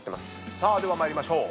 さあでは参りましょう。